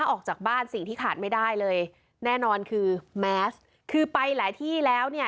ออกจากบ้านสิ่งที่ขาดไม่ได้เลยแน่นอนคือแมสคือไปหลายที่แล้วเนี่ย